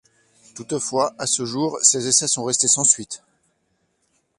Toutefois, à ce jour, ces essais sont restés sans suite.